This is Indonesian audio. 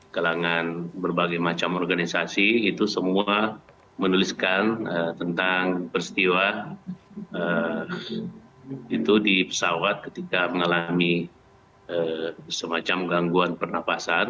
kalangan berbagai macam organisasi itu semua menuliskan tentang peristiwa itu di pesawat ketika mengalami semacam gangguan pernapasan